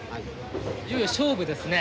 いよいよ勝負ですね。